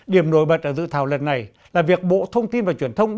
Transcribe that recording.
điểm nổi bật ở dự thảo lần này là việc bộ thông tin và truyền thông